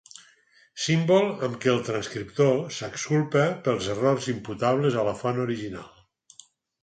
Símbol amb què el transcriptor s'exculpa pels error imputables a la font original.